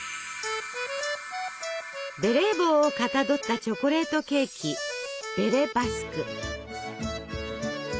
ベレー帽をかたどったチョコレートケーキベレ・バスク。